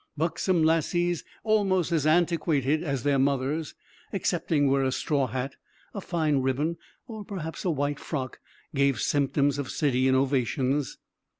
Buxom lasses, almost as antiquated as their mothers, excepting where a straw hat, a fine ribbon, or perhaps a white frock, gave symptoms of city innovations.